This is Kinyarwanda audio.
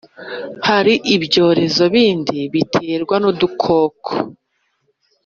hari ibyorezo bindi biterwa n’udukoko.